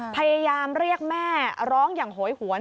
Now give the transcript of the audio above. พยายามเรียกแม่ร้องอย่างโหยหวน